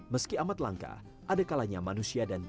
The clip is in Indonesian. meski amat langka adekalanya manusia di dalam hutan